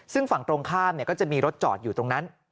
ซึ่งฝั่งตรงข้ามก็จะมีรถจอดอยู่ตรงนั้น